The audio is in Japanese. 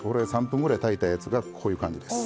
３分ぐらい炊いたやつがこういう感じです。